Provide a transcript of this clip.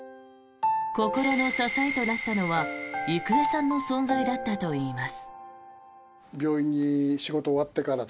心の支えとなったのは郁恵さんの存在だったといいます。